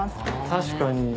確かに。